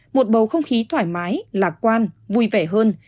một bầu không khí thoải mái lạc quan vui vẻ hơn